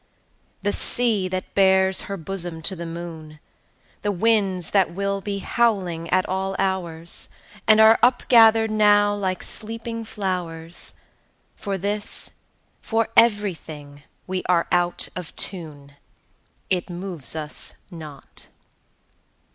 The Sea that bares her bosom to the moon; The winds that will be howling at all hours, And are up gathered now like sleeping flowers; For this, for everything, we are out of tune; It moves us not.